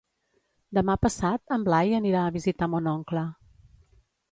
Demà passat en Blai anirà a visitar mon oncle.